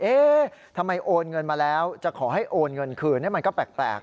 เอ๊ะทำไมโอนเงินมาแล้วจะขอให้โอนเงินคืนมันก็แปลก